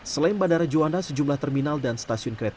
selain bandara juanda sejumlah terminal dan stasiun kereta